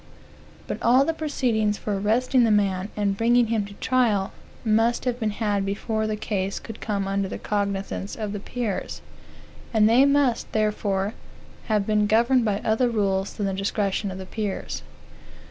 But all the proceedings for arresting the man, and bringing him to trial, must have been had before the case could come under the cognizance of the peers, and they must, therefore, have been governed by other rules than the discretion of the peers.